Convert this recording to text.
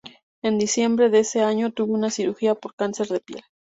En diciembre de ese año, tuvo una cirugía por cáncer de piel.